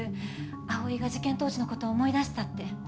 葵が事件当時の事を思い出したって。